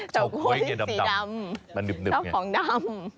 ชาวโค้ยสีดำชอบของดำ